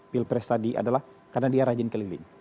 pilpres tadi adalah karena dia rajin keliling